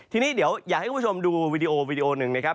ทีนี้เดี๋ยวอยากให้คุณผู้ชมดูวีดีโอวีดีโอหนึ่งนะครับ